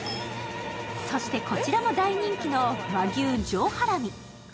そして、こちらも大人気の和牛上ハラミ。